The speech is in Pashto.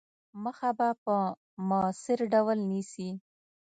مخه به په موثِر ډول نیسي.